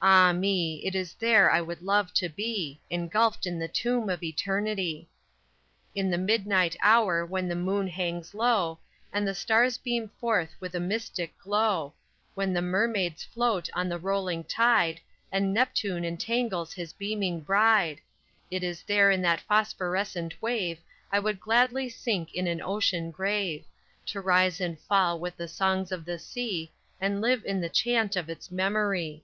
Ah, me! It is there I would love to be Engulfed in the tomb of eternity!_ _In the midnight hour when the moon hangs low And the stars beam forth with a mystic glow; When the mermaids float on the rolling tide And Neptune entangles his beaming bride, It is there in that phosphorescent wave I would gladly sink in an ocean grave To rise and fall with the songs of the sea And live in the chant of its memory.